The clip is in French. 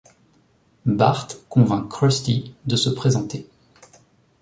Bart convainc Krusty de se présenter.